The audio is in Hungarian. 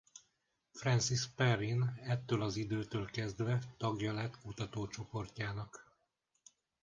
Francis Perrin ettől az időtől kezdve tagja lett kutatócsoportjának.